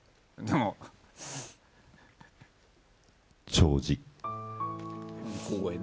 弔辞。